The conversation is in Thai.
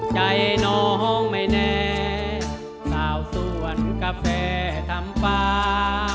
ใจน้องไม่แน่สาวสวนกาแฟทำฟ้า